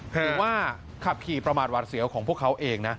หรือว่าขับขี่ประมาทหวาดเสียวของพวกเขาเองนะ